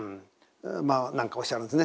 まあ何かおっしゃるんですね。